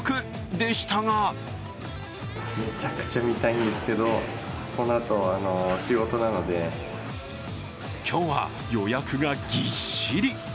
でしたが今日は予約がぎっしり。